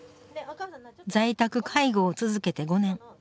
在宅介護を続けて５年。